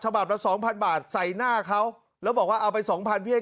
บาทละสองพันบาทใส่หน้าเขาแล้วบอกว่าเอาไปสองพันพี่ให้